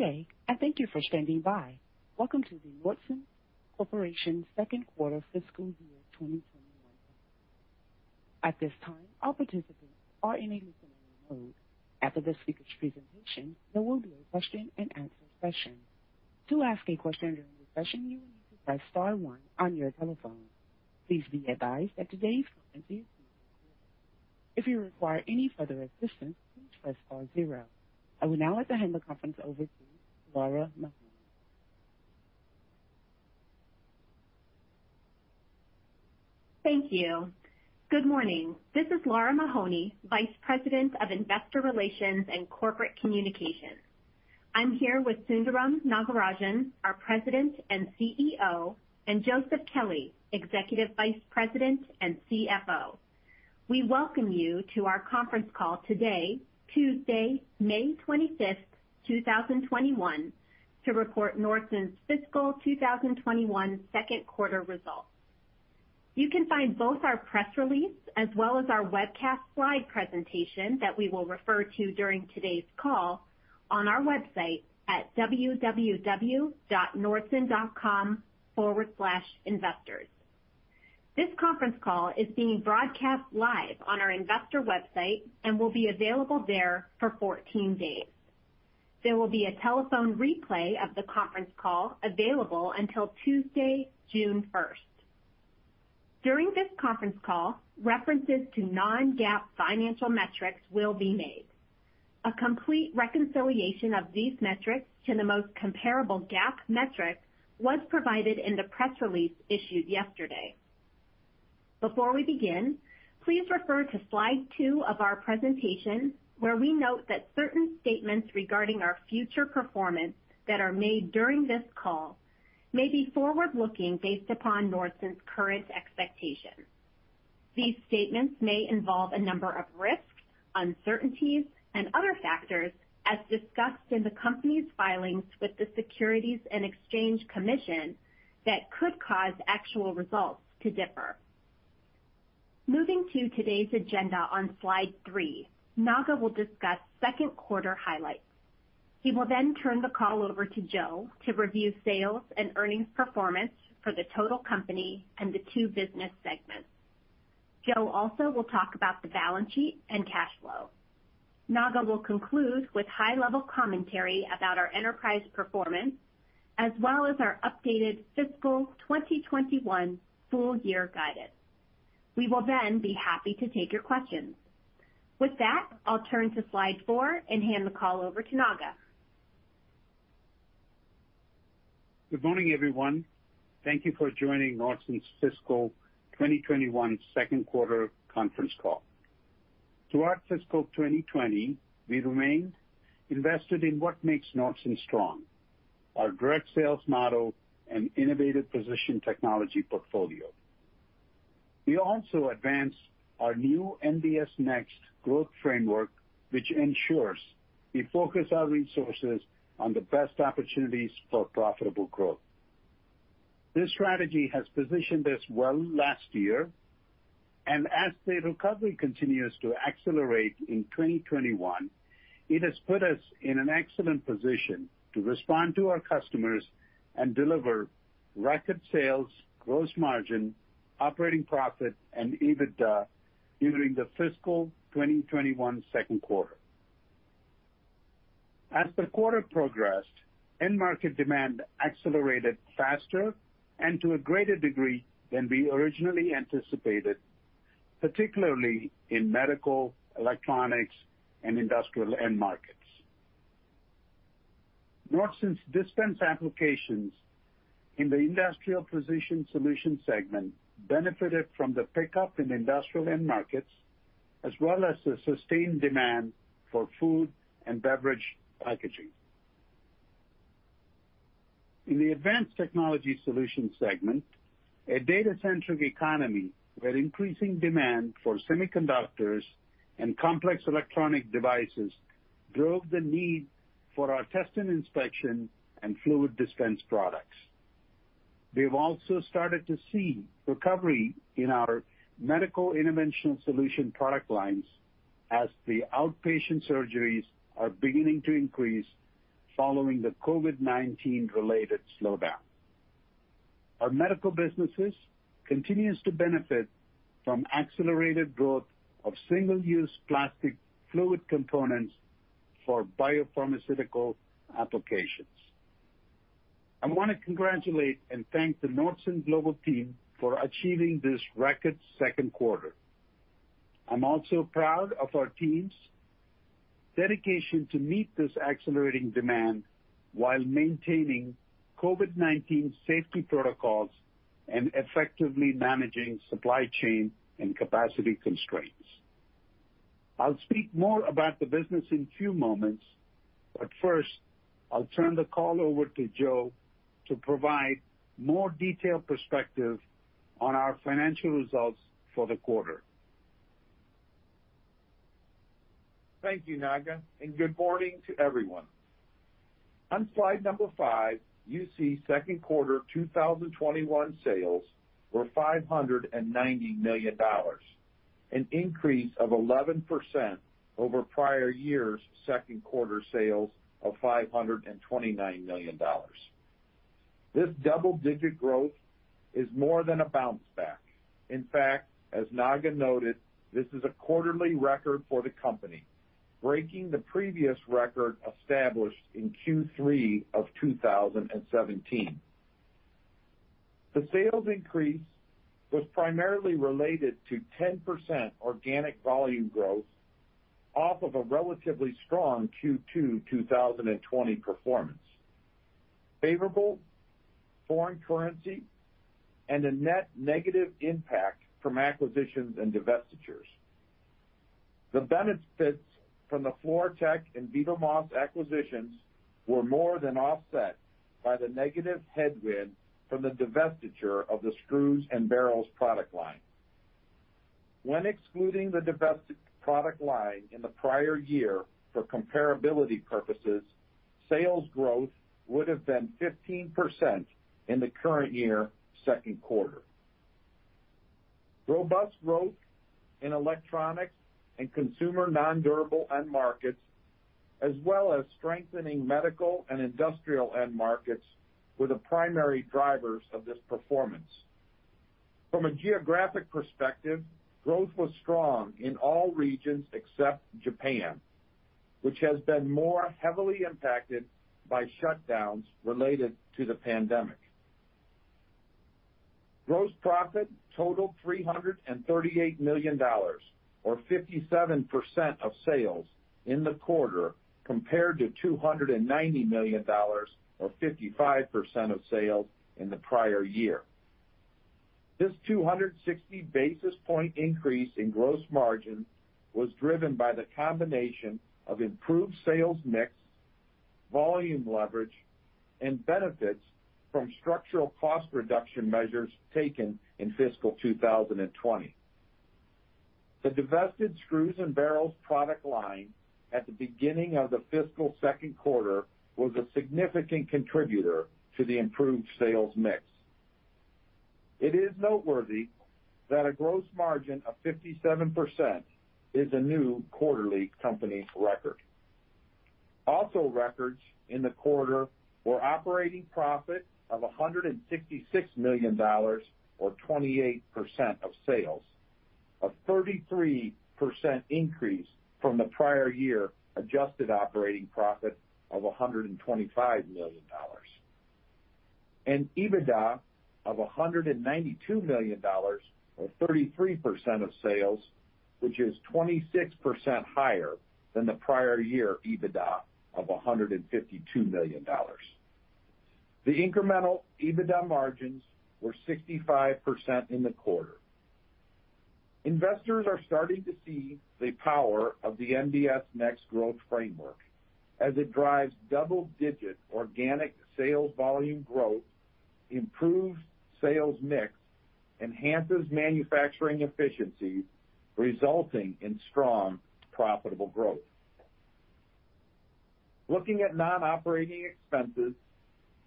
Today, thank you for standing by. Welcome to the Nordson Corporation second quarter fiscal year 2021. At this time, all participants are in a listen only mode. After the speaker presentation, there will be a question and answer session. To ask a question during the session, you will need to press star one on your telephone. Please be advised that today's call is being recorded. If you require any further assistance, please press star zero. I will now hand the conference over to Lara Mahoney. Thank you. Good morning. This is Lara Mahoney, Vice President of Investor Relations and Corporate Communications. I'm here with Sundaram Nagarajan, our President and CEO, and Joseph Kelley, Executive Vice President and CFO. We welcome you to our conference call today, Tuesday, May 25th, 2021, to report Nordson's fiscal 2021 second quarter results. You can find both our press release as well as our webcast slide presentation that we will refer to during today's call on our website at www.nordson.com/investors. This conference call is being broadcast live on our investor website and will be available there for 14 days. There will be a telephone replay of the conference call available until Tuesday, June 1st. During this conference call, references to non-GAAP financial metrics will be made. A complete reconciliation of these metrics to the most comparable GAAP metrics was provided in the press release issued yesterday. Before we begin, please refer to slide two of our presentation, where we note that certain statements regarding our future performance that are made during this call may be forward-looking based upon Nordson's current expectations. These statements may involve a number of risks, uncertainties, and other factors as discussed in the company's filings with the Securities and Exchange Commission that could cause actual results to differ. Moving to today's agenda on slide three, Naga will discuss second quarter highlights. He will then turn the call over to Joe to review sales and earnings performance for the total company and the two business segments. Joe also will talk about the balance sheet and cash flow. Naga will conclude with high-level commentary about our enterprise performance, as well as our updated fiscal 2021 full-year guidance. We will then be happy to take your questions. With that, I'll turn to slide four and hand the call over to Naga. Good morning, everyone. Thank you for joining Nordson's fiscal 2021 second quarter conference call. Throughout fiscal 2020, we remained invested in what makes Nordson strong, our direct sales model and innovative precision technology portfolio. We also advanced our new NBS Next growth framework, which ensures we focus our resources on the best opportunities for profitable growth. This strategy has positioned us well last year. As the recovery continues to accelerate in 2021, it has put us in an excellent position to respond to our customers and deliver record sales, gross margin, operating profit, and EBITDA during the fiscal 2021 second quarter. As the quarter progressed, end market demand accelerated faster and to a greater degree than we originally anticipated, particularly in medical, electronics, and industrial end markets. Nordson's dispense applications in the Industrial Precision Solutions segment benefited from the pickup in industrial end markets, as well as the sustained demand for food and beverage packaging. In the Advanced Technology Solutions segment, a data-centric economy with increasing demand for semiconductors and complex electronic devices drove the need for our Test & Inspection and fluid dispense products. We've also started to see recovery in our medical interventional solution product lines as the outpatient surgeries are beginning to increase following the COVID-19 related slowdown. Our medical businesses continues to benefit from accelerated growth of single-use plastic fluid components for biopharmaceutical applications. I want to congratulate and thank the Nordson global team for achieving this record second quarter. I'm also proud of our team's dedication to meet this accelerating demand while maintaining COVID-19 safety protocols and effectively managing supply chain and capacity constraints. I'll speak more about the business in a few moments, but first, I'll turn the call over to Joe to provide more detailed perspective on our financial results for the quarter. Thank you, Naga, and good morning to everyone. On slide number five, you see second quarter 2021 sales were $590 million. An increase of 11% over prior year's second quarter sales of $529 million. This double-digit growth is more than a bounce back. In fact, as Naga noted, this is a quarterly record for the company, breaking the previous record established in Q3 of 2017. The sales increase was primarily related to 10% organic volume growth off of a relatively strong Q2 2020 performance, favorable foreign currency, and a net negative impact from acquisitions and divestitures. The benefits from the Fluortek and vivaMOS acquisitions were more than offset by the negative headwind from the divestiture of the screws and barrels product line. When excluding the divested product line in the prior year for comparability purposes, sales growth would've been 15% in the current year second quarter. Robust growth in electronics and consumer non-durable end markets, as well as strengthening medical and industrial end markets, were the primary drivers of this performance. From a geographic perspective, growth was strong in all regions except Japan, which has been more heavily impacted by shutdowns related to the pandemic. Gross profit totaled $338 million, or 57% of sales in the quarter, compared to $290 million, or 55% of sales in the prior year. This 260 basis point increase in gross margins was driven by the combination of improved sales mix, volume leverage, and benefits from structural cost reduction measures taken in fiscal 2020. The divested screws and barrels product line at the beginning of the fiscal second quarter was a significant contributor to the improved sales mix. It is noteworthy that a gross margin of 57% is a new quarterly company record. Records in the quarter were operating profit of $166 million, or 28% of sales, a 33% increase from the prior year adjusted operating profit of $125 million, and EBITDA of $192 million or 33% of sales, which is 26% higher than the prior year EBITDA of $152 million. The incremental EBITDA margins were 65% in the quarter. Investors are starting to see the power of the NBS Next growth framework as it drives double-digit organic sales volume growth, improves sales mix, enhances manufacturing efficiency, resulting in strong profitable growth. Looking at non-operating expenses,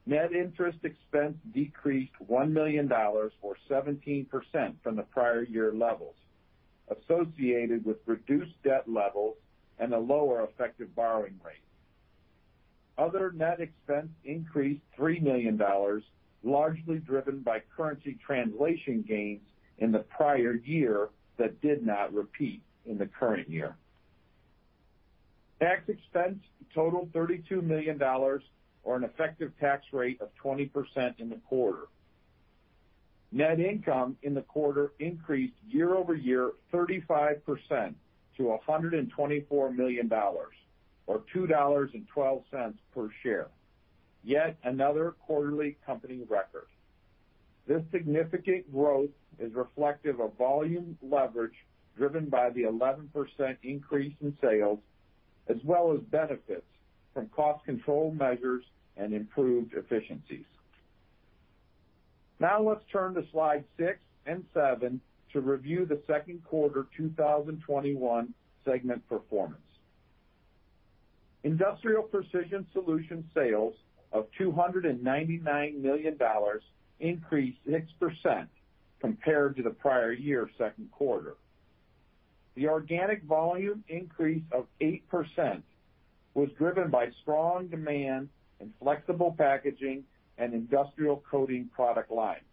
net interest expense decreased $1 million or 17% from the prior year levels, associated with reduced debt levels and a lower effective borrowing rate. Other net expense increased $3 million, largely driven by currency translation gains in the prior year that did not repeat in the current year. Tax expense totaled $32 million or an effective tax rate of 20% in the quarter. Net income in the quarter increased year-over-year 35% to $124 million, or $2.12 per share. Yet another quarterly company record. This significant growth is reflective of volume leverage driven by the 11% increase in sales, as well as benefits from cost control measures and improved efficiencies. Now let's turn to slide six and seven to review the second quarter 2021 segment performance. Industrial Precision Solutions sales of $299 million increased 6% compared to the prior year second quarter. The organic volume increase of 8% was driven by strong demand in flexible packaging and industrial coating product lines.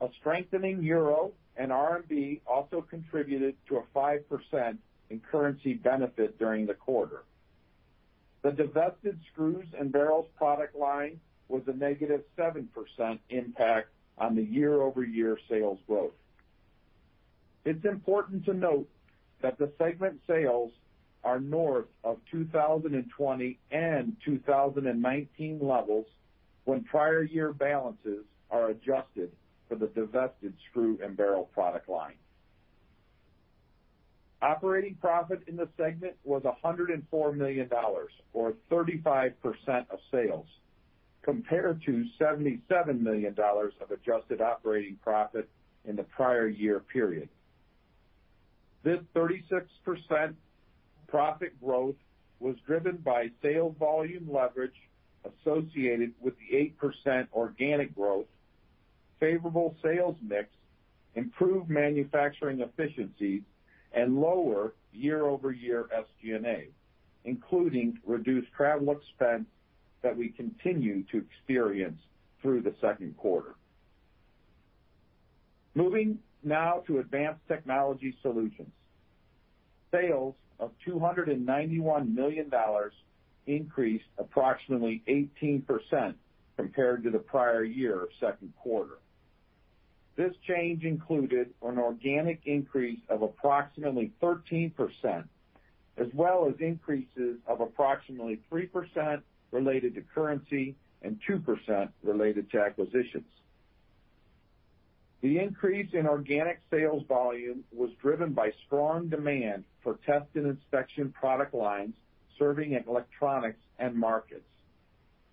A strengthening euro and R&D also contributed to a 5% in currency benefit during the quarter. The divested screws and barrels product line was a -7% impact on the year-over-year sales growth. It's important to note that the segment sales are north of 2020 and 2019 levels when prior year balances are adjusted for the divested screw and barrel product line. Operating profit in the segment was $104 million, or 35% of sales, compared to $77 million of adjusted operating profit in the prior year period. This 36% profit growth was driven by sales volume leverage associated with the 8% organic growth, favorable sales mix, improved manufacturing efficiency, and lower year-over-year SG&A, including reduced travel expense that we continue to experience through the second quarter. Moving now to Advanced Technology Solutions. Sales of $291 million increased approximately 18% compared to the prior year second quarter. This change included an organic increase of approximately 13%, as well as increases of approximately 3% related to currency and 2% related to acquisitions. The increase in organic sales volume was driven by strong demand for Test & Inspection product lines serving electronics end markets,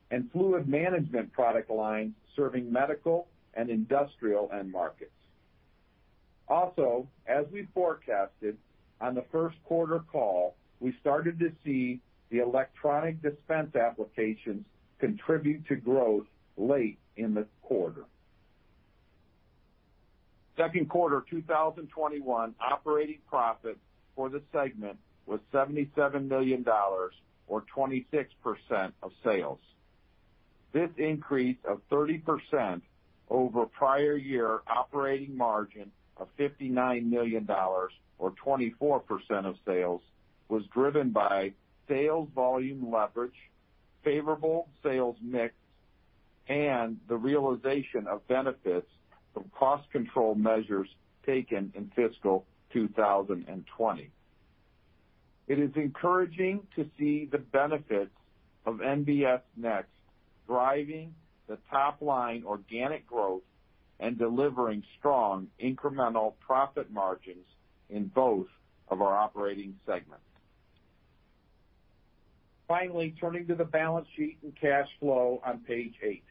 and fluid management product lines serving medical and industrial end markets. Also, as we forecasted on the first quarter call, we started to see the electronic dispense applications contribute to growth late in the quarter. Second quarter 2021 operating profit for the segment was $77 million, or 26% of sales. This increase of 30% over prior year operating margin of $59 million, or 24% of sales, was driven by sales volume leverage, favorable sales mix, and the realization of benefits from cost control measures taken in fiscal 2020. It is encouraging to see the benefits of NBS Next driving the top-line organic growth and delivering strong incremental profit margins in both of our operating segments. Finally, turning to the balance sheet and cash flow on page eight.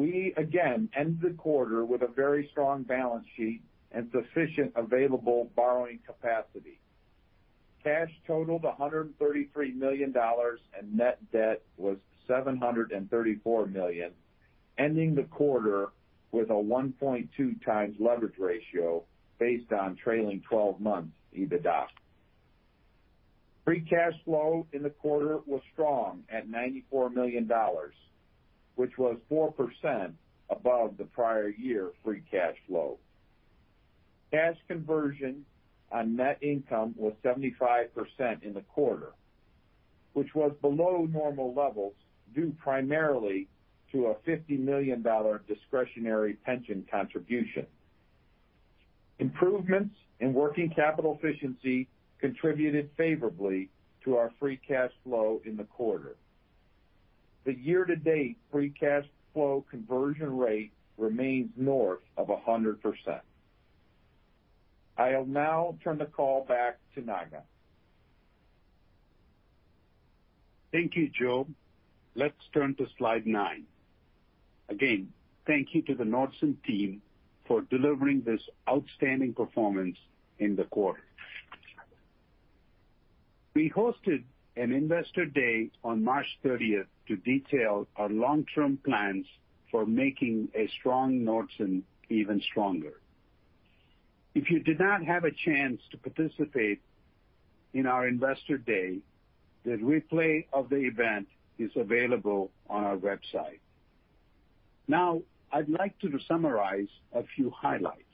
We again end the quarter with a very strong balance sheet and sufficient available borrowing capacity. Cash totaled $133 million, and net debt was $734 million, ending the quarter with a 1.2x leverage ratio based on trailing 12 months EBITDA. Free cash flow in the quarter was strong at $94 million, which was 4% above the prior year free cash flow. Cash conversion on net income was 75% in the quarter, which was below normal levels, due primarily to a $50 million discretionary pension contribution. Improvements in working capital efficiency contributed favorably to our free cash flow in the quarter. The year-to-date free cash flow conversion rate remains north of 100%. I'll now turn the call back to Naga. Thank you, Joe. Let's turn to slide nine. Again, thank you to the Nordson team for delivering this outstanding performance in the quarter. We hosted an Investor Day on March 30th to detail our long-term plans for making a strong Nordson even stronger. If you did not have a chance to participate in our Investor Day, the replay of the event is available on our website. I'd like to summarize a few highlights.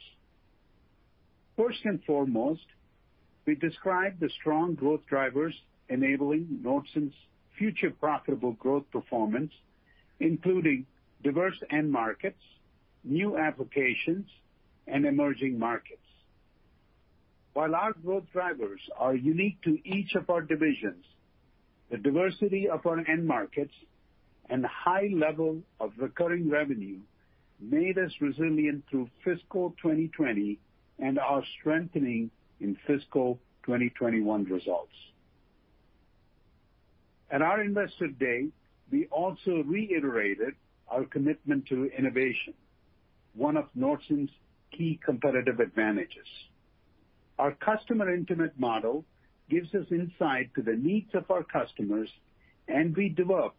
First and foremost, we described the strong growth drivers enabling Nordson's future profitable growth performance, including diverse end markets, new applications, and emerging markets. While our growth drivers are unique to each of our divisions, the diversity of our end markets and high level of recurring revenue made us resilient through fiscal 2020 and are strengthening in fiscal 2021 results. At our Investor Day, we also reiterated our commitment to innovation, one of Nordson's key competitive advantages. Our customer intimate model gives us insight to the needs of our customers, and we developed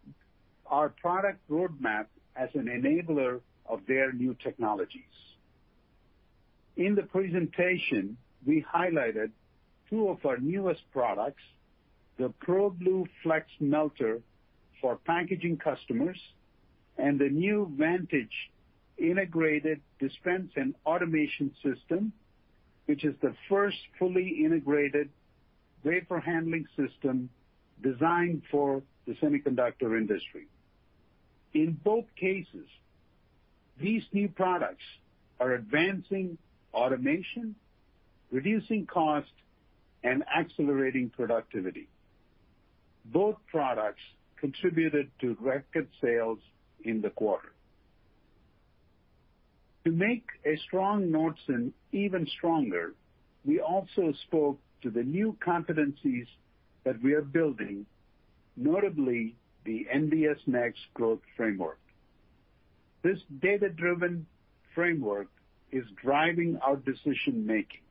our product roadmap as an enabler of their new technologies. In the presentation, we highlighted two of our newest products, the ProBlue Flex Melter for packaging customers, and the new Vantage Integrated Dispense and Automation System, which is the first fully integrated wafer handling system designed for the semiconductor industry. In both cases, these new products are advancing automation, reducing cost, and accelerating productivity. Both products contributed to record sales in the quarter. To make a strong Nordson even stronger, we also spoke to the new competencies that we are building, notably the NBS Next growth framework. This data-driven framework is driving our decision-making.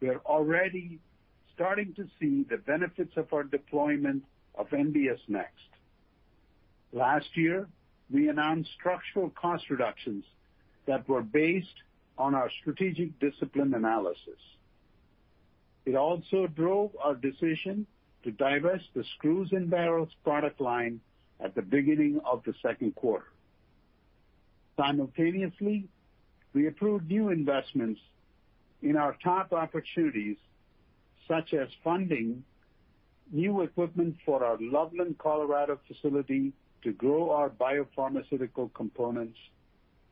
We are already starting to see the benefits of our deployment of NBS Next. Last year, we announced structural cost reductions that were based on our strategic discipline analysis. It also drove our decision to divest the screws and barrels product line at the beginning of the second quarter. Simultaneously, we approved new investments in our top opportunities, such as funding new equipment for our Loveland, Colorado, facility to grow our biopharmaceutical components,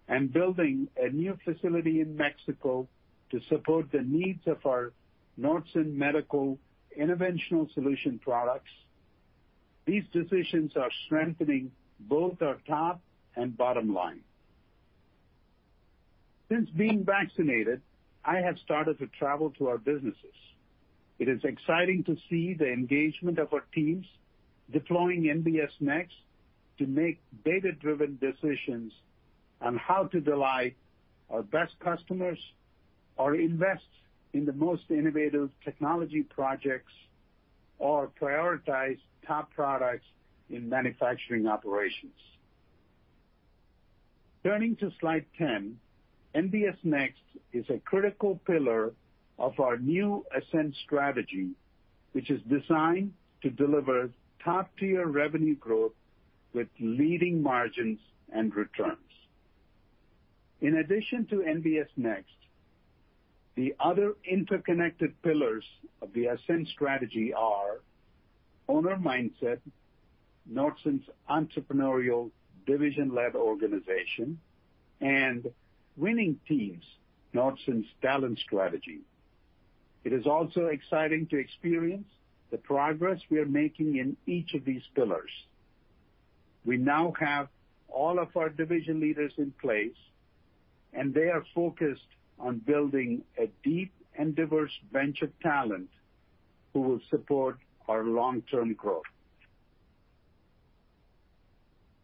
and building a new facility in Mexico to support the needs of our Nordson Medical interventional solution products. These decisions are strengthening both our top and bottom line. Since being vaccinated, I have started to travel to our businesses. It is exciting to see the engagement of our teams deploying NBS Next to make data-driven decisions on how to delight our best customers or invest in the most innovative technology projects or prioritize top products in manufacturing operations. Turning to slide 10, NBS Next is a critical pillar of our new Ascend strategy, which is designed to deliver top-tier revenue growth with leading margins and returns. In addition to NBS Next, the other interconnected pillars of the Ascend strategy are owner mindset, Nordson's entrepreneurial division-led organization, and winning teams, Nordson's talent strategy. It is also exciting to experience the progress we are making in each of these pillars. We now have all of our division leaders in place, and they are focused on building a deep and diverse bench of talent who will support our long-term growth.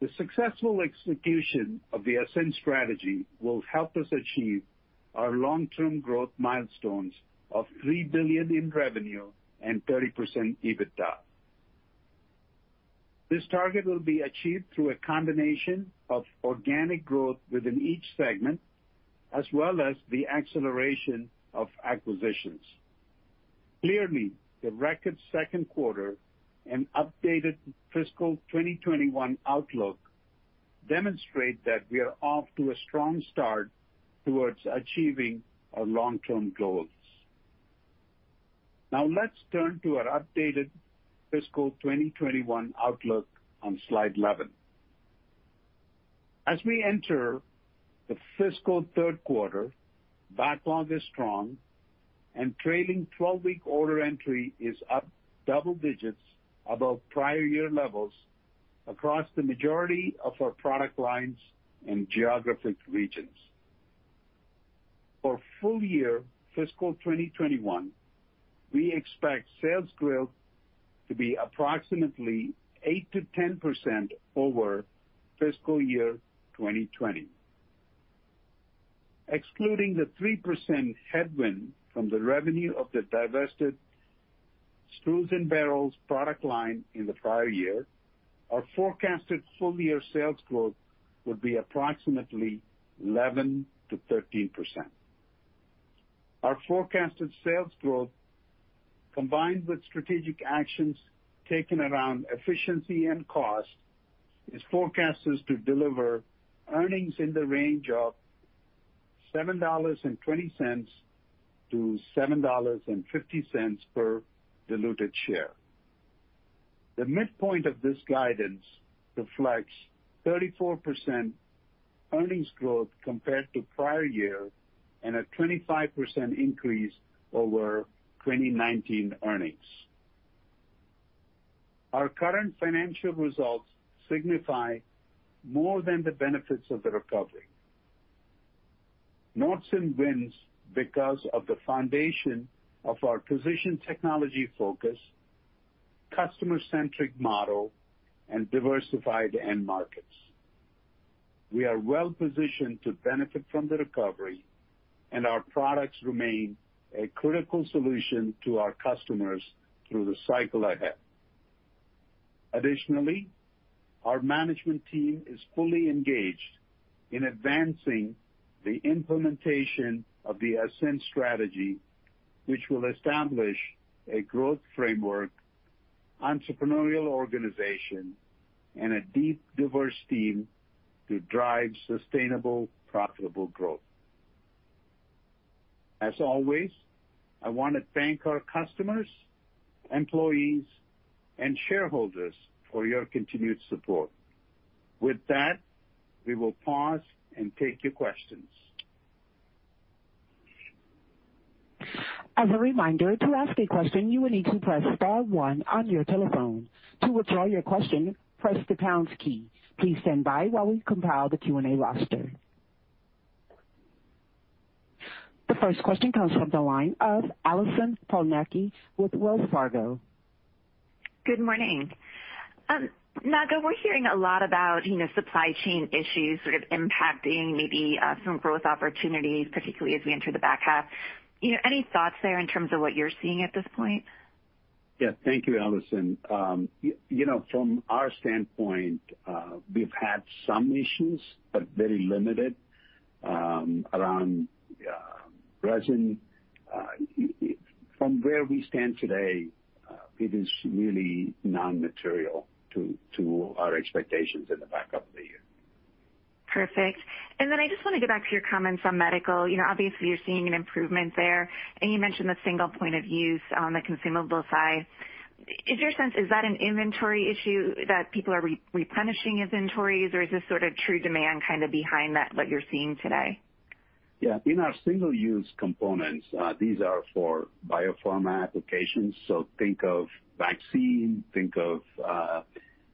The successful execution of the Ascend strategy will help us achieve our long-term growth milestones of $3 billion in revenue and 30% EBITDA. This target will be achieved through a combination of organic growth within each segment, as well as the acceleration of acquisitions. Clearly, the record second quarter and updated fiscal 2021 outlook demonstrate that we are off to a strong start towards achieving our long-term goals. Now let's turn to our updated fiscal 2021 outlook on slide 11. As we enter the fiscal third quarter, backlog is strong, and trailing 12-week order entry is up double digits above prior year levels across the majority of our product lines and geographic regions. For full year fiscal 2021, we expect sales growth to be approximately 8%-10% over fiscal year 2020. Excluding the 3% headwind from the revenue of the divested screws and barrels product line in the prior year, our forecasted full-year sales growth will be approximately 11%-13%. Our forecasted sales growth, combined with strategic actions taken around efficiency and cost, is forecasted to deliver earnings in the range of $7.20-$7.50 per diluted share. The midpoint of this guidance reflects 34% earnings growth compared to prior year and a 25% increase over 2019 earnings. Our current financial results signify more than the benefits of the recovery. Nordson wins because of the foundation of our precision technology focus, customer-centric model, and diversified end markets. We are well-positioned to benefit from the recovery, and our products remain a critical solution to our customers through the cycle ahead. Additionally, our management team is fully engaged in advancing the implementation of the Ascend strategy, which will establish a growth framework, entrepreneurial organization, and a deep, diverse team to drive sustainable, profitable growth. As always, I want to thank our customers, employees, and shareholders for your continued support. With that, we will pause and take your questions. The first question comes from the line of Allison Poliniak with Wells Fargo. Good morning. Naga, we're hearing a lot about supply chain issues impacting maybe some growth opportunities, particularly as we enter the back half. Any thoughts there in terms of what you're seeing at this point? Yeah. Thank you, Allison. From our standpoint, we've had some issues, but very limited around resin. From where we stand today, it is really non-material to our expectations in the back half of the year. Perfect. I just want to get back to your comments on medical. Obviously, you're seeing an improvement there, and you mentioned the single point of use on the consumable side. In your sense, is that an inventory issue that people are replenishing inventories, or is this true demand behind that what you're seeing today? Yeah. In our single-use components, these are for biopharma applications. Think of vaccine, think of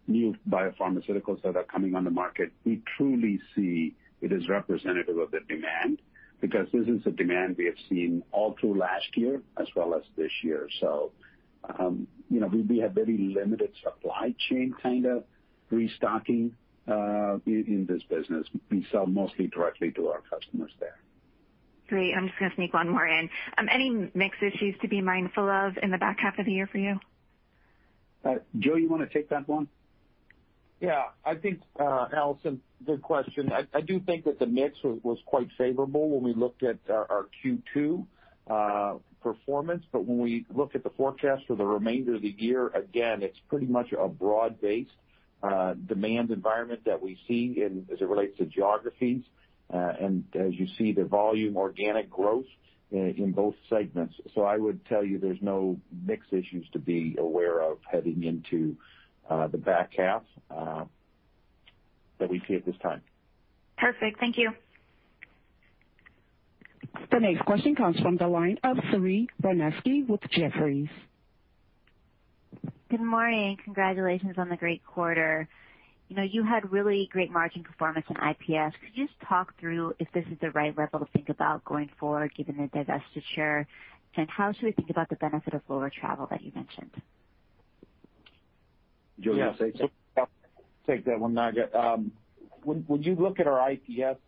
new biopharmaceuticals that are coming on the market. We truly see it is representative of the demand because this is the demand we have seen all through last year as well as this year. We have very limited supply chain restocking in this business. We sell mostly directly to our customers there. Great. I'm just going to sneak one more in. Any mix issues to be mindful of in the back half of the year for you? Joe, you want to take that one? I think, Allison, good question. I do think that the mix was quite favorable when we looked at our Q2 performance. When we look at the forecast for the remainder of the year, again, it's pretty much a broad-based demand environment that we see as it relates to geographies, and as you see, the volume organic growth in both segments. I would tell you there's no mix issues to be aware of heading into the back half that we see at this time. Perfect. Thank you. The next question comes from the line of Saree Boroditsky with Jefferies. Good morning. Congratulations on the great quarter. You had really great margin performance in IPS. Could you just talk through if this is the right level to think about going forward given the divestiture, and how should we think about the benefit of lower travel that you mentioned? Joe, you want to take that? I'll take that one, Naga. When you look at our IPS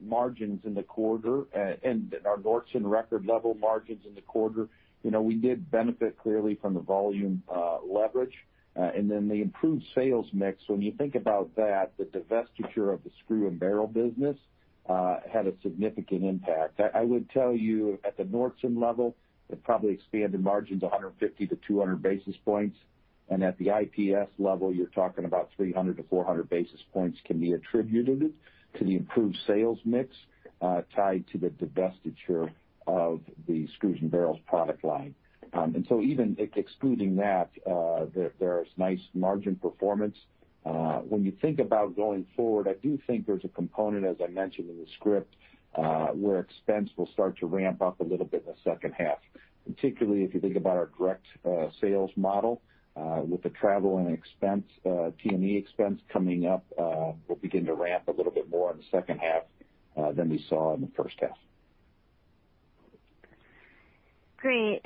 margins in the quarter and our Nordson record level margins in the quarter, we did benefit clearly from the volume leverage, and then the improved sales mix. When you think about that, the divestiture of the screw and barrel business had a significant impact. I would tell you at the Nordson level, it probably expanded margins 150 basis points-200 basis points. At the IPS level, you're talking about 300 basis points-400 basis points can be attributed to the improved sales mix tied to the divestiture of the screws and barrels product line. Even excluding that, there is nice margin performance. When you think about going forward, I do think there's a component, as I mentioned in the script, where expense will start to ramp up a little bit in the second half. Particularly if you think about our direct sales model with the travel and expense, T&E expense coming up will begin to ramp a little bit more in the second half than we saw in the first half. Great.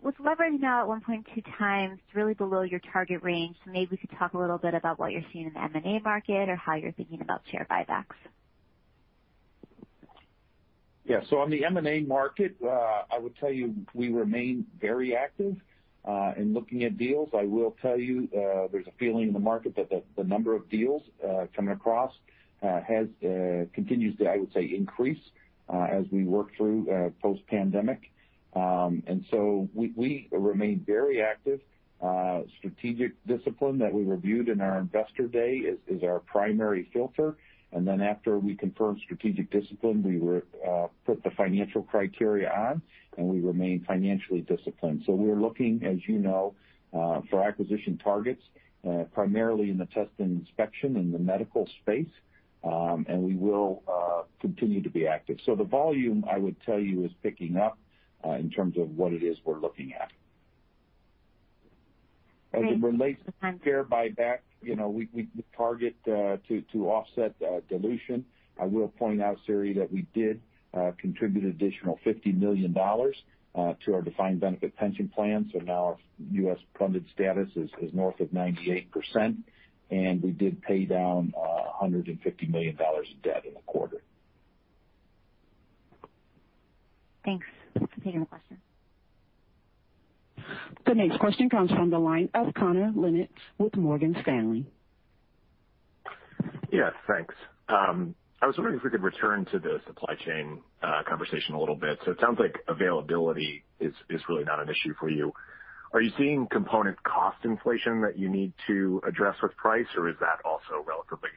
With leverage now at 1.2x really below your target range, maybe we could talk a little bit about what you're seeing in the M&A market or how you're thinking about share buybacks. On the M&A market, I would tell you we remain very active in looking at deals. I will tell you there's a feeling in the market that the number of deals come across continues to, I would say, increase as we work through post-pandemic. We remain very active. Strategic discipline that we reviewed in our Investor Day is our primary filter. After we confirm strategic discipline, we put the financial criteria on, and we remain financially disciplined. We're looking, as you know, for acquisition targets, primarily in the Test & Inspection in the medical space, and we will continue to be active. The volume I would tell you is picking up in terms of what it is we're looking at. As it relates to share buyback, we target to offset dilution. I will point out, Saree, that we did contribute additional $50 million to our defined benefit pension plan. Now our U.S. funded status is north of 98%, and we did pay down $150 million of debt in the quarter. Thanks. The next question comes from the line of Connor Lynagh with Morgan Stanley. Yes, thanks. I was wondering if we could return to the supply chain conversation a little bit. It sounds like availability is really not an issue for you. Are you seeing component cost inflation that you need to address with price, or is that also relatively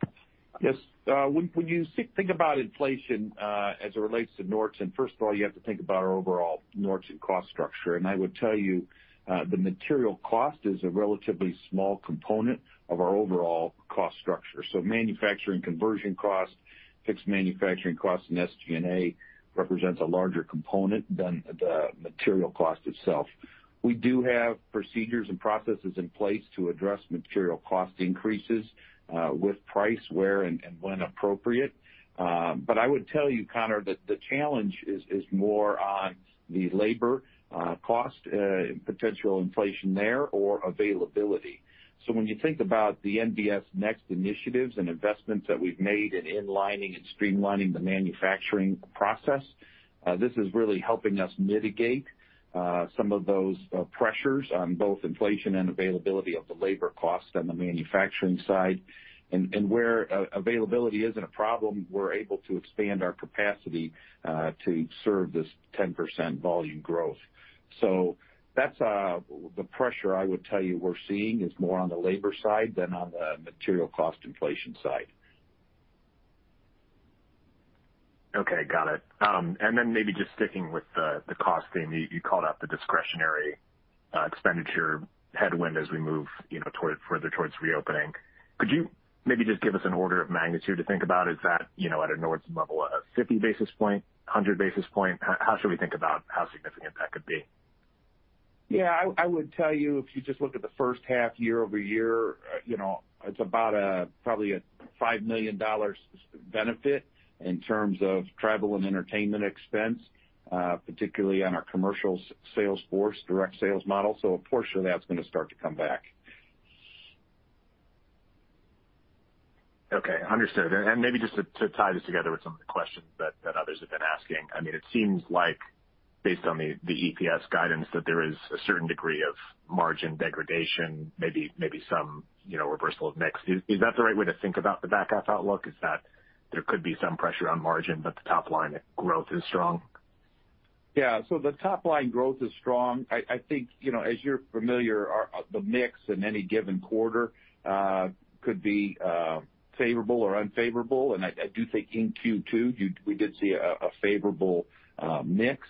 muted? Yes. When you think about inflation as it relates to Nordson, first of all, you have to think about our overall Nordson cost structure. I would tell you the material cost is a relatively small component of our overall cost structure. Manufacturing conversion cost, fixed manufacturing cost, and SG&A represents a larger component than the material cost itself. We do have procedures and processes in place to address material cost increases with price, where and when appropriate. I would tell you, Connor, that the challenge is more on the labor cost and potential inflation there or availability. When you think about the NBS Next initiatives and investments that we've made in inlining and streamlining the manufacturing process, this is really helping us mitigate some of those pressures on both inflation and availability of the labor cost on the manufacturing side. Where availability isn't a problem, we're able to expand our capacity to serve this 10% volume growth. That's the pressure I would tell you we're seeing is more on the labor side than on the material cost inflation side. Okay. Got it. Maybe just sticking with the costing, you called out the discretionary expenditure headwind as we move further towards reopening. Could you maybe just give us an order of magnitude to think about? Is that at a Nordson level, a 50 basis point, 100 basis point? How should we think about how significant that could be? Yeah, I would tell you, if you just look at the first half year-over-year, it's about probably a $5 million benefit in terms of travel and entertainment expense, particularly on our commercial sales force direct sales model. A portion of that's going to start to come back. Okay, understood. Maybe just to tie this together with some of the questions that others have been asking. It seems like based on the EPS guidance, that there is a certain degree of margin degradation, maybe some reversal of mix. Is that the right way to think about the back half outlook? Is that there could be some pressure on margin, but the top line growth is strong? Yeah. The top line growth is strong. I think, as you're familiar, the mix in any given quarter could be favorable or unfavorable. I do think in Q2, we did see a favorable mix.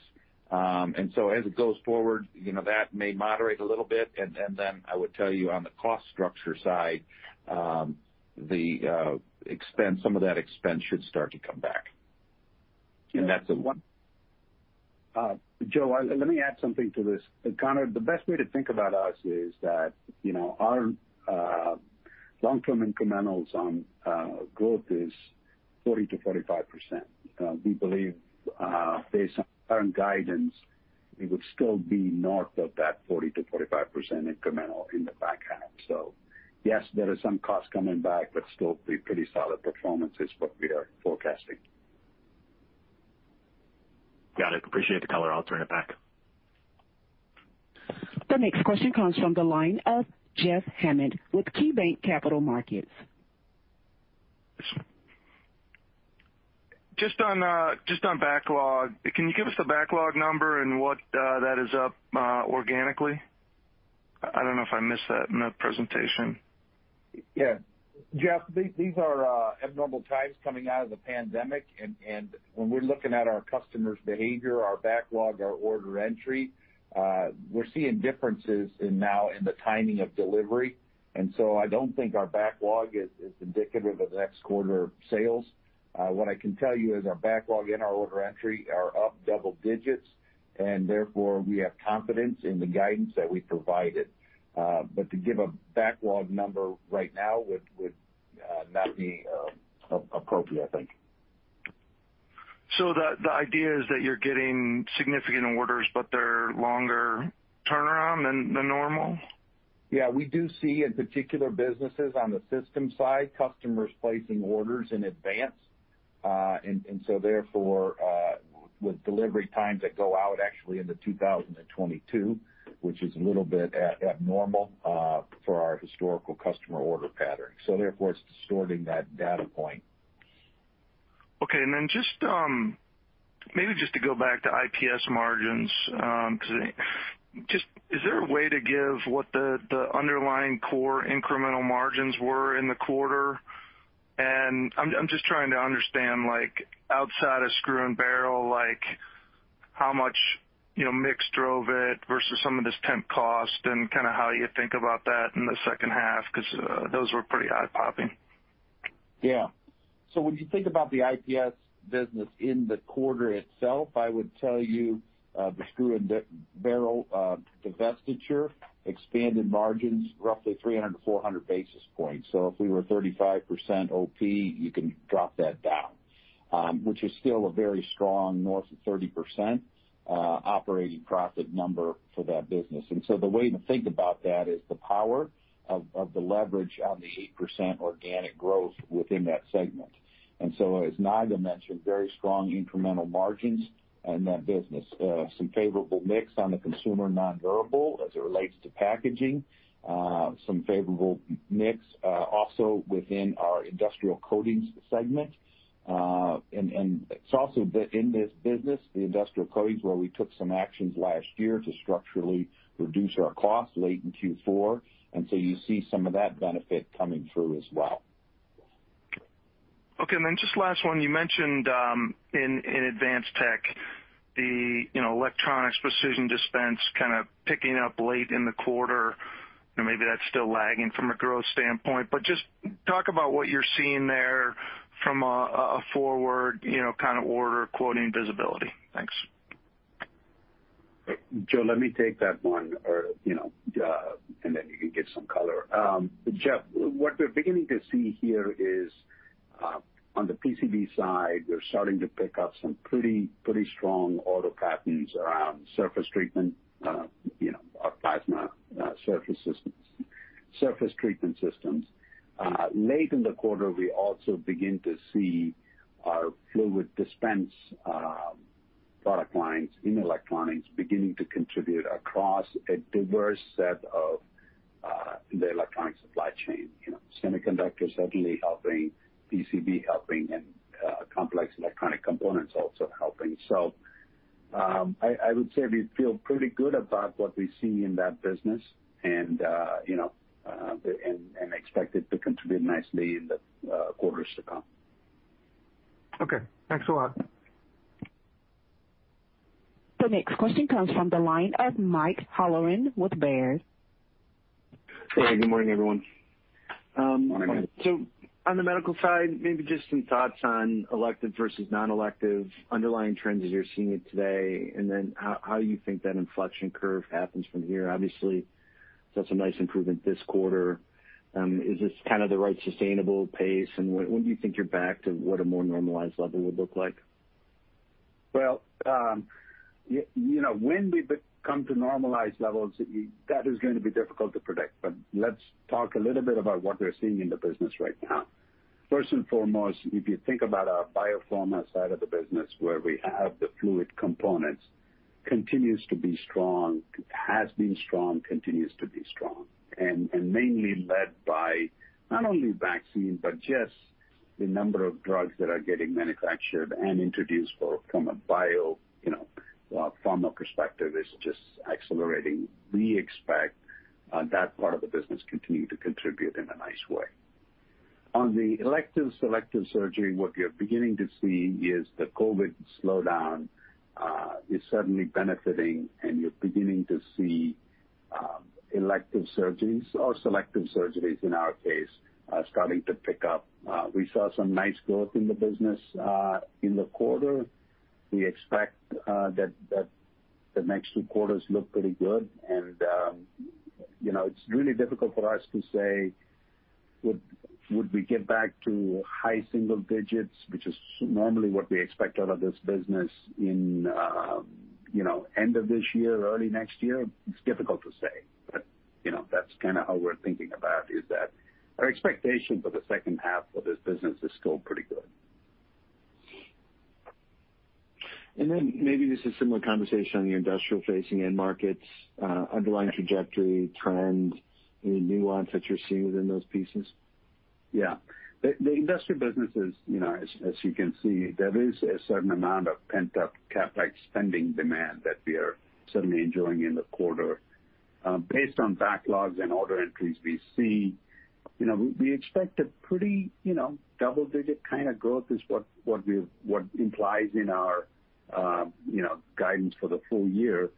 As it goes forward, that may moderate a little bit. I would tell you on the cost structure side, some of that expense should start to come back. And that's a one- Joe, let me add something to this. Connor, the best way to think about us is that our long-term incrementals on growth is 40%-45%. We believe based on current guidance, we would still be north of that 40%-45% incremental in the back half. Yes, there is some cost coming back, but still pretty solid performance is what we are forecasting. Got it. Appreciate the color, I'll turn it back. The next question comes from the line of Jeff Hammond with KeyBanc Capital Markets. On backlog, can you give us a backlog number and what that is up organically? I don't know if I missed that in the presentation. Yeah. Jeff, these are abnormal times coming out of the pandemic. When we're looking at our customers' behavior, our backlog, our order entry, we're seeing differences now in the timing of delivery. I don't think our backlog is indicative of next quarter sales. What I can tell you is our backlog and our order entry are up double digits. Therefore, we have confidence in the guidance that we provided. To give a backlog number right now would not be appropriate, I think. The idea is that you're getting significant orders, but they're longer turnaround than normal? Yeah, we do see in particular businesses on the system side, customers placing orders in advance. Therefore, with delivery times that go out actually into 2022, which is a little bit abnormal for our historical customer order pattern, so therefore it's distorting that data point. Okay. Maybe just to go back to IPS margins, just is there a way to give what the underlying core incremental margins were in the quarter? I'm just trying to understand, outside of screw and barrel, how much mix drove it versus some of this temp cost and kind of how you think about that in the second half, because those were pretty eye-popping. Yeah. When you think about the IPS business in the quarter itself, I would tell you the screw and barrel divestiture expanded margins roughly 300 basis points-400 basis points. If we were 35% OP, you can drop that down, which is still a very strong north of 30% operating profit number for that business. The way to think about that is the power of the leverage of the 8% organic growth within that segment. As Naga mentioned, very strong incremental margins in that business. Some favorable mix on the consumer nondurable as it relates to packaging. Some favorable mix also within our industrial coatings segment. It is also in this business, the industrial coatings, where we took some actions last year to structurally reduce our cost late in Q4. You see some of that benefit coming through as well. Okay, just last one, you mentioned in Advanced Tech, the electronics precision dispense kind of picking up late in the quarter, and maybe that's still lagging from a growth standpoint, but just talk about what you're seeing there from a forward kind of order quoting visibility. Thanks. Joe, let me take that one, and then you can give some color. Jeff, what we're beginning to see here is, on the PCB side, we're starting to pick up some pretty strong auto patterns around surface treatment, plasma surface treatment systems. Late in the quarter, we also begin to see our fluid dispense product lines in electronics beginning to contribute across a diverse set of the electronic supply chain. Semiconductors certainly helping, PCB helping, and complex electronic components also helping. I would say we feel pretty good about what we see in that business and expect it to contribute nicely in the quarters to come. Okay. Thanks a lot. The next question comes from the line of Mike Halloran with Baird. Hey, good morning, everyone. Morning. On the medical side, maybe just some thoughts on elective versus non-elective underlying trends as you're seeing it today. How you think that inflection curve happens from here. Obviously, that's a nice improvement this quarter. Is this kind of the right sustainable pace, and when do you think you're back to what a more normalized level would look like? Well, when we come to normalized levels, that is going to be difficult to predict, but let's talk a little bit about what we're seeing in the business right now. First and foremost, if you think about our biopharma side of the business, where we have the fluid components, continues to be strong, has been strong, continues to be strong. Mainly led by not only vaccine, but just the number of drugs that are getting manufactured and introduced from a biopharma perspective is just accelerating. We expect that part of the business to continue to contribute in a nice way. On the elective/selective surgery, what we are beginning to see is the COVID slowdown is certainly benefiting, and you're beginning to see elective surgeries or selective surgeries, in our case, starting to pick up. We saw some nice growth in the business in the quarter. We expect that the next two quarters look pretty good, and it's really difficult for us to say, would we get back to high single digits, which is normally what we expect out of this business in end of this year or early next year? It's difficult to say, but that's kind of how we're thinking about it, is that our expectation for the second half of this business is still pretty good. Maybe just a similar conversation on the industrial facing end markets, underlying trajectory trends, any nuance that you're seeing within those pieces? Yeah. The industrial business, as you can see, there is a certain amount of pent-up CapEx spending demand that we are certainly enjoying in the quarter. Based on backlogs and order entries we see, we expect a pretty double-digit kind of growth is what implies in our guidance for the full year.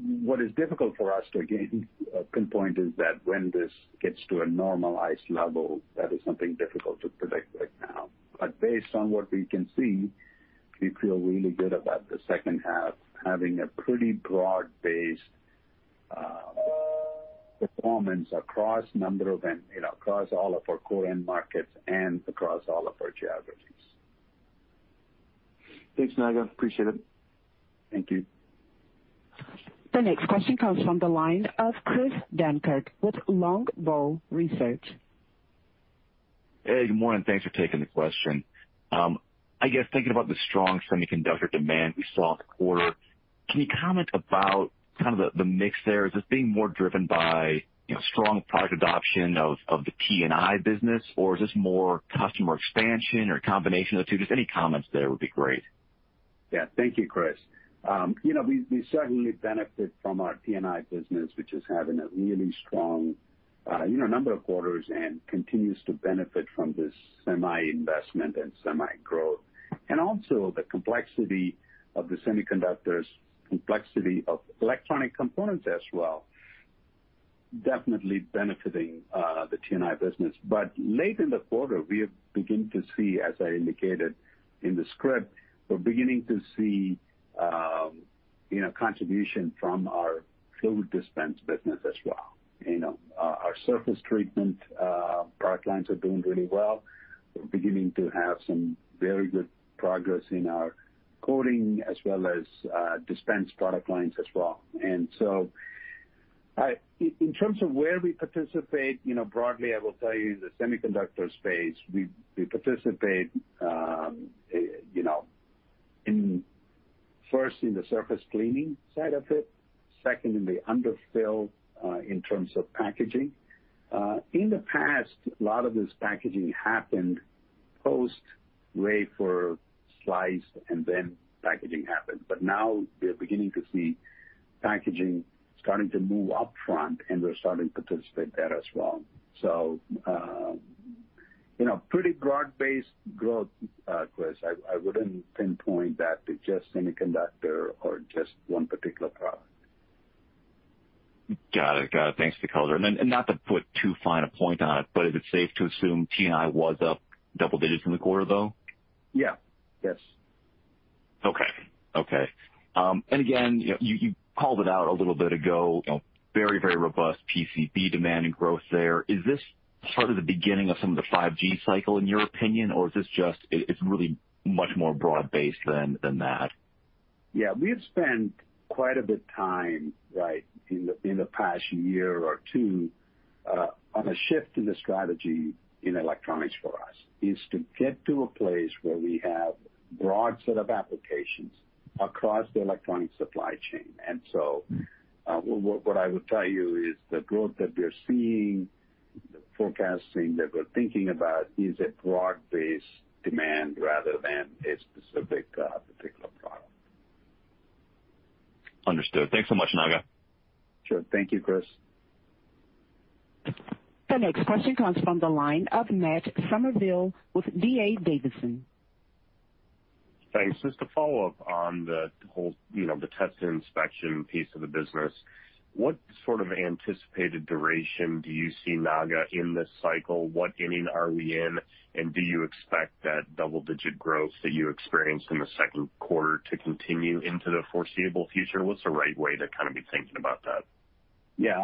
What is difficult for us to pinpoint is that when this gets to a normalized level, that is something difficult to predict right now. Based on what we can see, we feel really good about the second half having a pretty broad-based performance across all of our end markets and across all of our geographies. Thanks, Naga. Appreciate it. Thank you. The next question comes from the line of Chris Dankert with Longbow Research. Hey, good morning. Thanks for taking the question. I guess thinking about the strong semiconductor demand we saw quarter, can you comment about kind of the mix there? Is this being more driven by strong product adoption of the T&I business, or is this more customer expansion or combination of the two? Just any comments there would be great. Yeah. Thank you, Chris. We certainly benefit from our T&I business, which is having a really strong number of orders and continues to benefit from this semi investment and semi growth. Also the complexity of the semiconductors, complexity of electronic components as well, definitely benefiting the T&I business. Late in the quarter, we have begun to see, as I indicated in the script, we're beginning to see contribution from our fluid dispense business as well. Our surface treatment product lines are doing really well. We're beginning to have some very good progress in our coating as well as dispense product lines as well. In terms of where we participate, broadly, I will tell you the semiconductor space, we participate first in the surface cleaning side of it, second in the underfill in terms of packaging. In the past, a lot of this packaging happened post wafer slice and then packaging happens. Now we are beginning to see packaging starting to move upfront, and we're starting to participate there as well. Pretty broad-based growth, Chris. I wouldn't pinpoint that to just semiconductor or just one particular product. Got it. Thanks for the color. Not to put too fine a point on it, but is it safe to assume T&I was up double digits in the quarter, though? Yeah. Yes. Okay. Again, you called it out a little bit ago, very robust PCB demand and growth there. Is this sort of the beginning of some of the 5G cycle in your opinion, or is this just, it's really much more broad-based than that? Yeah. We've spent quite a bit of time in the past year or two on a shift in the strategy in electronics for us, is to get to a place where we have a broad set of applications across the electronic supply chain. What I would tell you is the growth that we're seeing, the forecasting that we're thinking about is a broad-based demand rather than a specific particular product. Understood. Thanks so much, Naga. Sure. Thank you, Chris. The next question comes from the line of Matt Summerville with D.A. Davidson. Thanks. Just to follow up on the whole Test and Inspection piece of the business, what sort of anticipated duration do you see, Naga, in this cycle? What inning are we in, and do you expect that double-digit growth that you experienced in the second quarter to continue into the foreseeable future? What's the right way to kind of be thinking about that? Yeah,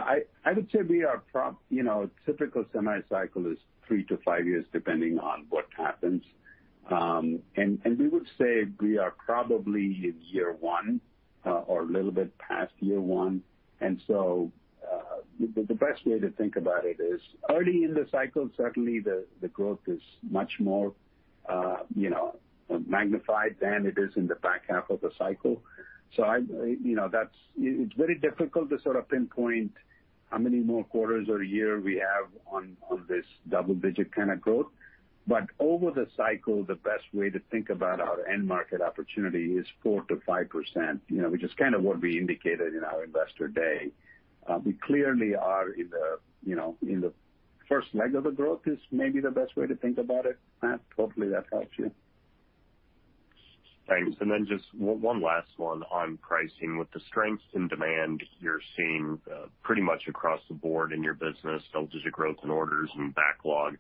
I would say our typical semi cycle is three to five years, depending on what happens. We would say we are probably in year one or a little bit past year one. The best way to think about it is early in the cycle, certainly the growth is much more magnified than it is in the back half of the cycle. It's very difficult to sort of pinpoint how many more quarters or year we have on this double-digit kind of growth. Over the cycle, the best way to think about our end market opportunity is 4%-5%, which is kind of what we indicated in our Investor Day. We clearly are in the first leg of the growth is maybe the best way to think about it, Matt. Hopefully that helps you. Thanks. Then just one last one on pricing. With the strength in demand you're seeing pretty much across the board in your business, double-digit growth in orders and backlog,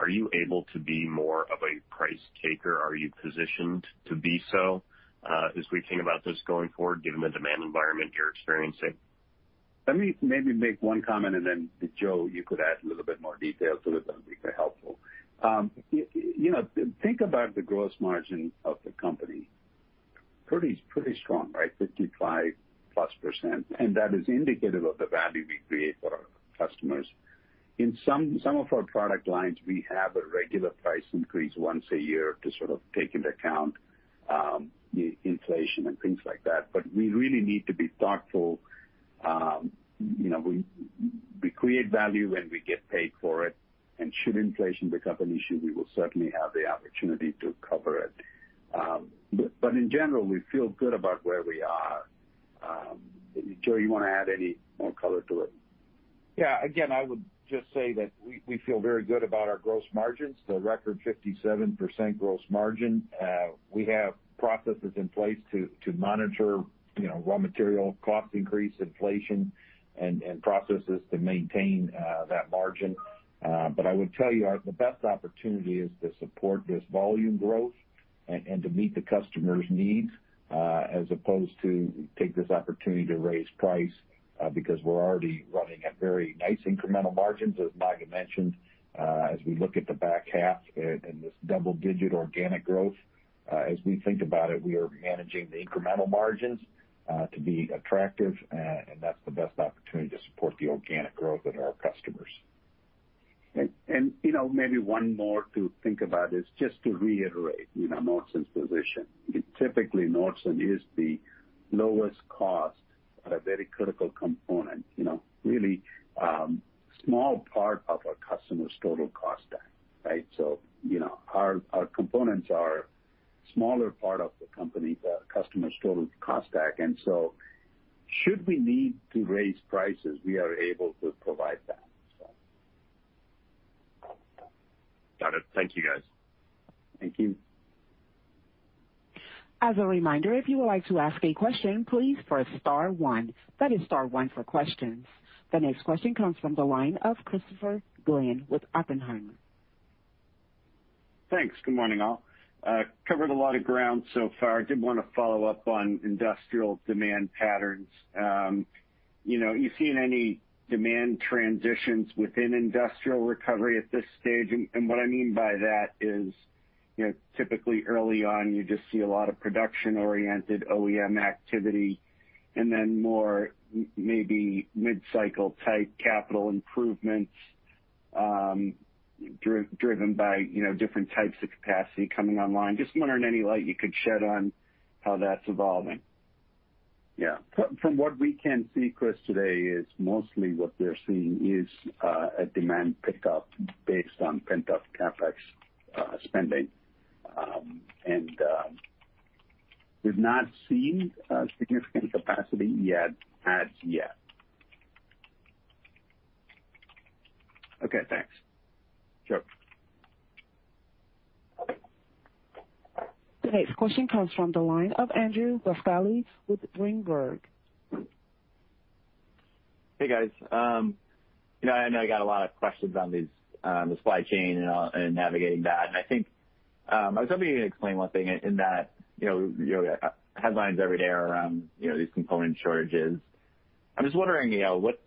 are you able to be more of a price taker? Are you positioned to be so as we think about this going forward, given the demand environment you're experiencing? Let me maybe make one comment and then Joe, you could add a little bit more detail to it that would be very helpful. Think about the gross margin of the company. Pretty strong, right? 55%+, and that is indicative of the value we create for our customers. In some of our product lines, we have a regular price increase once a year to sort of take into account inflation and things like that. But we really need to be thoughtful. We create value and we get paid for it. And should inflation become an issue, we will certainly have the opportunity to cover it. But in general, we feel good about where we are. Joe, you want to add any more color to it? Yeah, again, I would just say that we feel very good about our gross margins, the record 57% gross margin. We have processes in place to monitor raw material cost increase inflation and processes to maintain that margin. I would tell you, the best opportunity is to support this volume growth and to meet the customer's needs, as opposed to take this opportunity to raise price because we're already running at very nice incremental margins, as Naga mentioned. As we look at the back half and this double-digit organic growth, as we think about it, we are managing the incremental margins to be attractive, and that's the best opportunity to support the organic growth of our customers. Maybe one more to think about is just to reiterate Nordson's position. Typically, Nordson is the lowest cost on a very critical component. Really small part of a customer's total cost stack, right? Our components are smaller part of the company's customer's total cost stack, should we need to raise prices, we are able to provide that. Got it. Thank you, guys. Thank you. As a reminder, if you would like to ask a question, please press star one. That is star one for questions. The next question comes from the line of Christopher Glynn with Oppenheimer. Thanks. Good morning, all. Covered a lot of ground so far. I did want to follow up on industrial demand patterns. You seen any demand transitions within industrial recovery at this stage? What I mean by that is, typically early on, you just see a lot of production-oriented OEM activity and then more maybe mid-cycle type capital improvements, driven by different types of capacity coming online. Just wondering any light you could shed on how that's evolving. Yeah. From what we can see, Chris, today is mostly what we're seeing is a demand pickup based on pent-up CapEx spending, and we've not seen a significant capacity yet as yet. Okay, thanks. Sure. The next question comes from the line of Andrew Buscaglia with Berenberg. Hey, guys. Naga, I know you got a lot of questions on the supply chain and navigating that, and I think I was hoping you could explain one thing in that, headlines every day around these component shortages. I'm just wondering, what's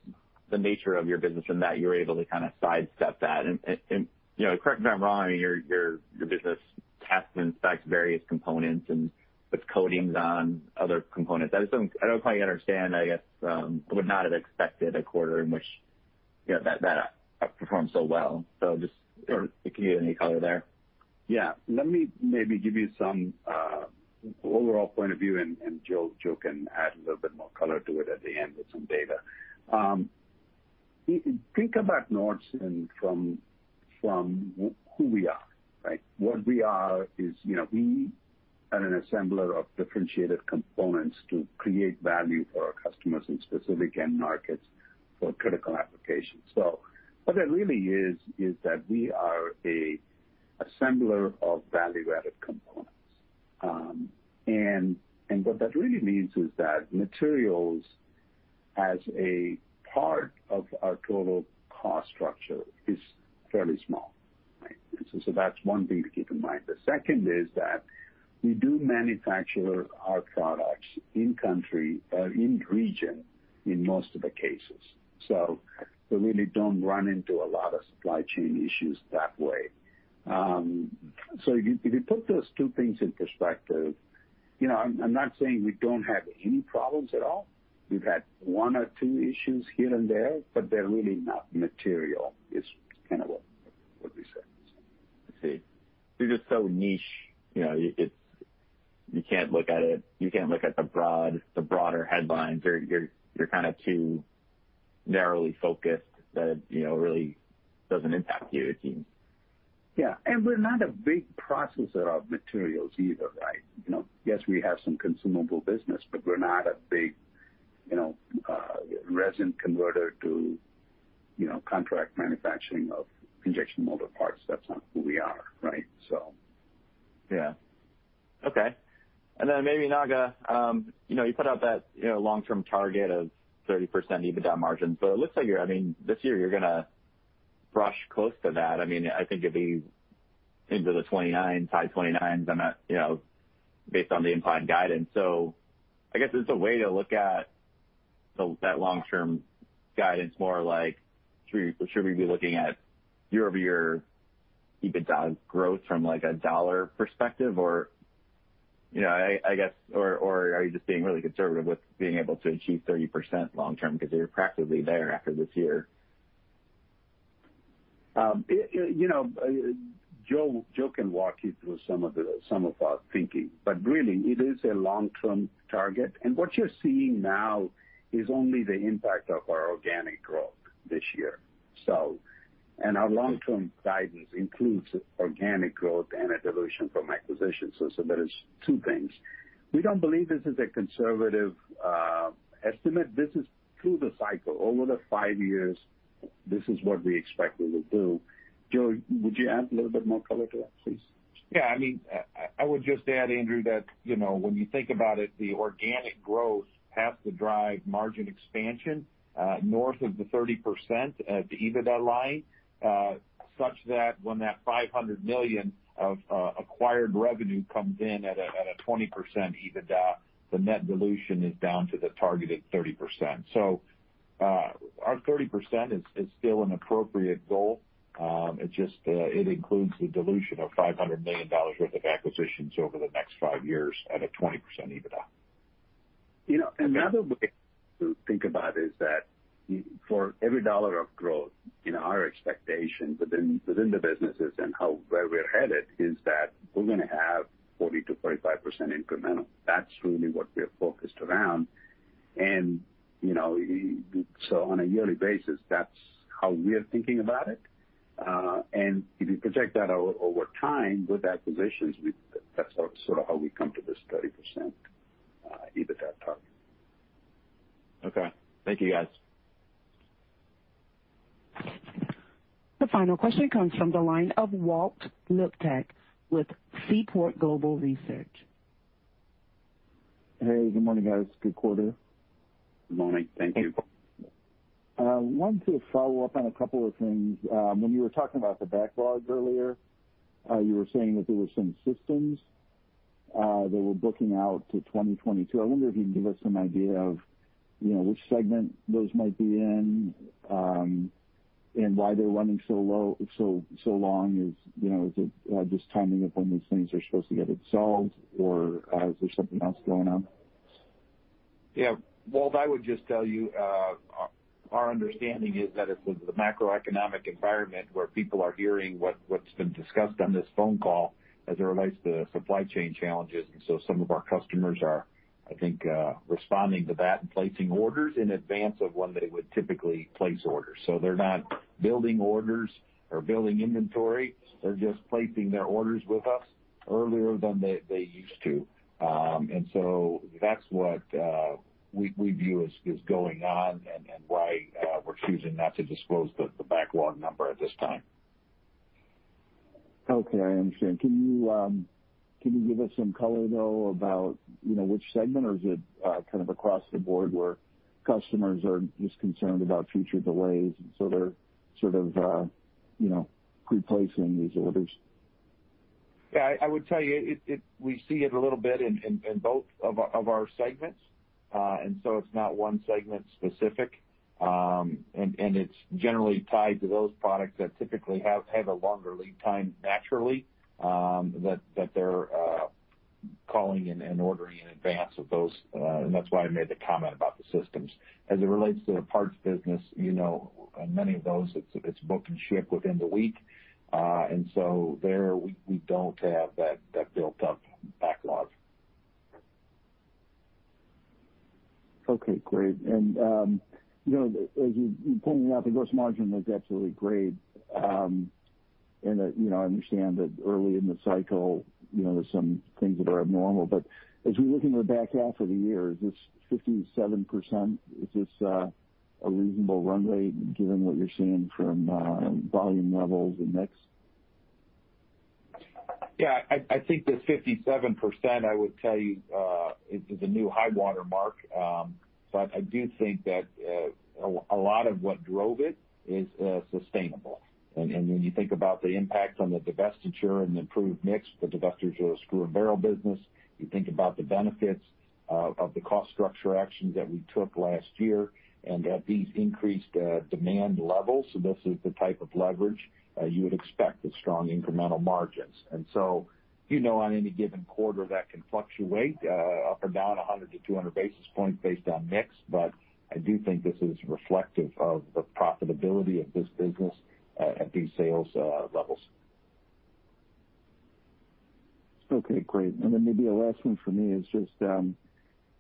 the nature of your business in that you're able to kind of sidestep that? Correct me if I'm wrong, your business tests and specs various components and puts coatings on other components. I don't quite understand, I guess, would not have expected a quarter in which that performed so well. Just if you can give me any color there. Yeah. Let me maybe give you some overall point of view, and Joe can add a little bit more color to it at the end with some data. Think about Nordson from who we are, right? What we are is, we are a assembler of differentiated components to create value for our customers in specific end markets for critical applications. What that really is that we are a assembler of value-added components. What that really means is that materials as a part of our total cost structure is fairly small. That's one thing to keep in mind. The second is that we do manufacture our products in region in most of the cases. We really don't run into a lot of supply chain issues that way. If you put those two things in perspective, I'm not saying we don't have any problems at all. We've had one or two issues here and there, but they're really not material, is kind of what we say. I see. Because you're so niche, you can't look at the broader headlines. You're kind of too narrowly focused that really doesn't impact you, it seems. Yeah. We're not a big processor of materials either, right? Yes, we have some consumable business, but we're not a big resin converter to contract manufacturing of injection molded parts. That's not who we are, right? Yeah. Okay. Maybe, Naga, you put out that long-term target of 30% EBITDA margin. It looks like this year you're going to brush close to that. I think it'd be into the 29%, tight 29%, based on the implied guidance. I guess it's a way to look at that long-term guidance more like, should we be looking at year-over-year EBITDA growth from a dollar perspective? Are you just being really conservative with being able to achieve 30% long term because you're practically there after this year? Joe can walk you through some of our thinking, but really, it is a long-term target, and what you're seeing now is only the impact of our organic growth this year. Our long-term guidance includes organic growth and a dilution from acquisitions. That is two things. We don't believe this is a conservative estimate. This is through the cycle. Over the five years, this is what we expect we will do. Joe, would you add a little bit more color to that, please? I would just add, Andrew, that when you think about it, the organic growth has to drive margin expansion north of 30% at the EBITDA line, such that when that $500 million of acquired revenue comes in at a 20% EBITDA, the net dilution is down to the target of 30%. Our 30% is still an appropriate goal. It includes the dilution of $500 million worth of acquisitions over the next five years at a 20% EBITDA. The other way to think about it is that for every dollar of growth in our expectations within the businesses and where we're headed is that we're going to have 40%-45% incremental. That's really what we are focused around. On a yearly basis, that's how we are thinking about it. If you project that out over time with acquisitions, that's sort of how we come to this 30% EBITDA target. Okay. Thank you, guys. The final question comes from the line of Walt Liptak with Seaport Global Research. Hey, good morning, guys. Good quarter. Good morning. Thank you. Wanted to follow up on a couple of things. When you were talking about the backlog earlier, you were saying that there were some systems that were booking out to 2022. I wonder if you can give us some idea of which segment those might be in, and why they're running so long. Is it just timing of when these things are supposed to get installed, or is there something else going on? Walt, I would just tell you our understanding is that it's the macroeconomic environment where people are hearing what's been discussed on this phone call as it relates to supply chain challenges. Some of our customers are, I think, responding to that and placing orders in advance of when they would typically place orders. They're not building orders or building inventory. They're just placing their orders with us earlier than they used to. That's what we view is going on and why we're choosing not to disclose the backlog number at this time. Okay, I understand. Can you give us some color, though, about which segment or is it kind of across the board where customers are just concerned about future delays and so they're sort of pre-placing these orders? Yeah, I would tell you we see it a little bit in both of our segments. It's not one segment specific. It's generally tied to those products that typically have had a longer lead time naturally that they're calling in and ordering in advance of those. That's why I made the comment about the systems. As it relates to the parts business, many of those it's book and ship within the week. There we don't have that built up backlog. Okay, great. As you pointed out, the gross margin looks absolutely great. I understand that early in the cycle there's some things that are abnormal. As we look in the back half of the year, is this 57%, is this a reasonable runway given what you're seeing from volume levels and mix? I think the 57%, I would tell you, is a new high water mark. I do think that a lot of what drove it is sustainable. When you think about the impact on the divestiture and improved mix, the divestiture of the screw and barrel business, you think about the benefits of the cost structure actions that we took last year and at these increased demand levels. This is the type of leverage you would expect with strong incremental margins. On any given quarter, that can fluctuate up or down 100 basis points-200 basis points based on mix. I do think this is reflective of the profitability of this business at these sales levels. Okay, great. Maybe a last one for me is just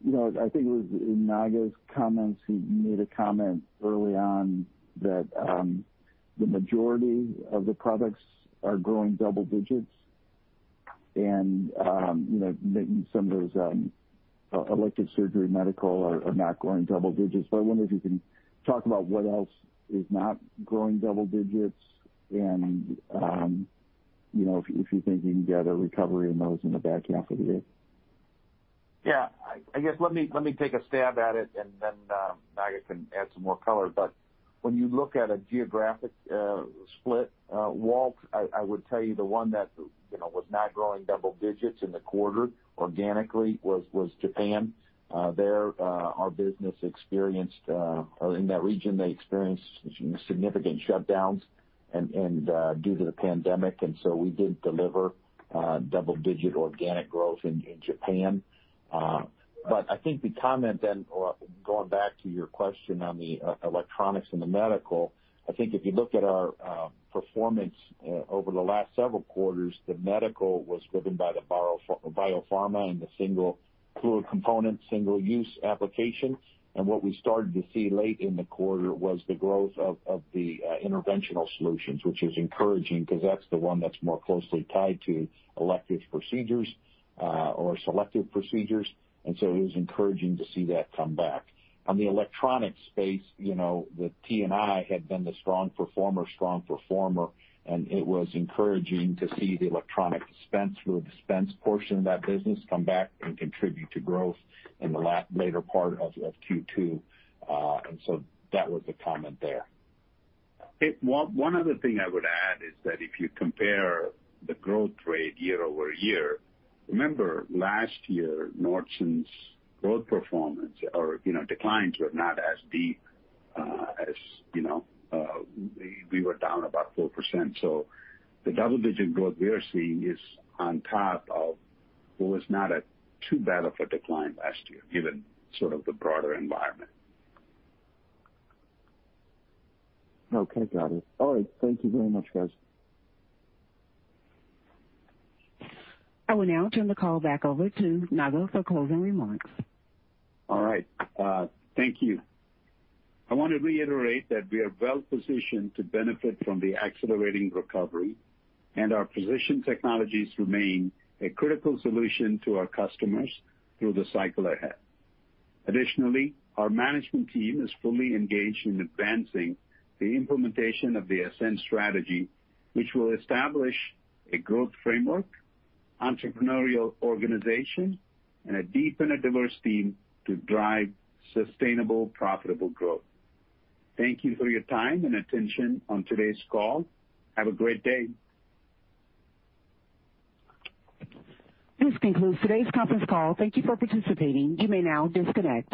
I think it was in Naga's comments, you made a comment early on that the majority of the products are growing double digits and maybe some of those elective surgery medical are not growing double digits. I wonder if you can talk about what else is not growing double digits and if you're thinking you get a recovery in those in the back half of the year? Yeah. I guess let me take a stab at it. Naga can add some more color. When you look at a geographic split, Walt, I would tell you the one that was not growing double digits in the quarter organically was Japan. There in that region they experienced significant shutdowns due to the pandemic. We didn't deliver double digit organic growth in Japan. I think the comment going back to your question on the electronics and the medical, I think if you look at our performance over the last several quarters, the medical was driven by the biopharma and the single fluid component, single use application. What we started to see late in the quarter was the growth of the interventional solutions, which is encouraging because that's the one that's more closely tied to elective procedures or selective procedures. It was encouraging to see that come back. On the electronic space, the T&I had been the strong performer, and it was encouraging to see the electronic dispense fluid dispense portion of that business come back and contribute to growth in the later part of Q2. That was the comment there. One other thing I would add is that if you compare the growth rate year-over-year, remember last year Nordson's growth performance or declines were not as deep as we were down about 4%. The double-digit growth we are seeing is on top of what was not too bad of a decline last year given sort of the broader environment. Okay, got it. All right. Thank you very much, guys. I will now turn the call back over to Naga for closing remarks. All right. Thank you. I want to reiterate that we are well positioned to benefit from the accelerating recovery, and our precision technologies remain a critical solution to our customers through the cycle ahead. Additionally, our management team is fully engaged in advancing the implementation of the Ascend strategy, which will establish a growth framework, entrepreneurial organization, and a deep and a diverse team to drive sustainable, profitable growth. Thank you for your time and attention on today's call. Have a great day. This concludes today's conference call. Thank you for participating. You may now disconnect.